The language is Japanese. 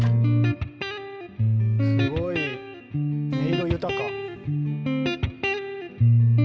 すごい音色豊か。